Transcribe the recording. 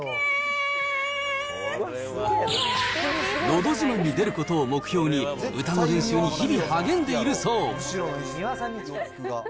のど自慢に出ることを目標に、歌の練習に日々、励んでいるそう。